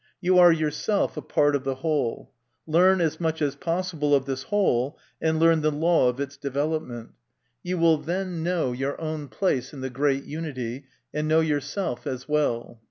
You are yourself a part of the whole. Learn as much as possible of this whole, and learn the Jaw of its development ; you will then know 42 MY CONFESSION. your own place in the great unity, and know yourself as well."